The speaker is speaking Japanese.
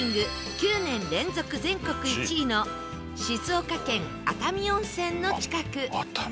９年連続全国１位の静岡県熱海温泉の近く